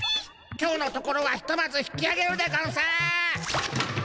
今日のところはひとまず引きあげるでゴンス！